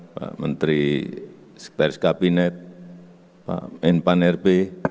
pak menteri sekretaris kabinet pak menpan rp